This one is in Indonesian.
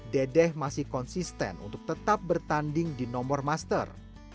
dedeh masih konsisten untuk tetap bertanding di nomor master